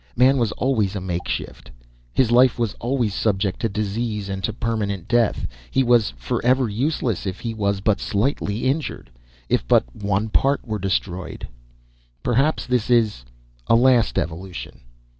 Man was always a makeshift; his life was always subject to disease and to permanent death. He was forever useless if he was but slightly injured; if but one part were destroyed. "Perhaps, this is a last evolution.